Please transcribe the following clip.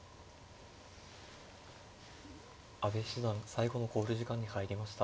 阿部七段最後の考慮時間に入りました。